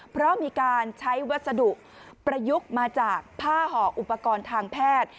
เพราะมีการใช้วัสดุประยุกต์มาจากผ้าห่ออุปกรณ์ทางแพทย์